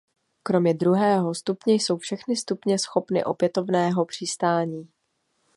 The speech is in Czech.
Kromě druhého stupně jsou všechny stupně schopny opětovného přistání.